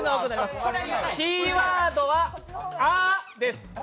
キーワードは「あ」です。